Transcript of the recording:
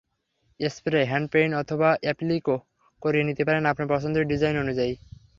Spray, hand paint অথবা অ্যাপ্লিকও করিয়ে নিতে পারেন আপনার পছন্দসই ডিজাইন অনুযায়ী।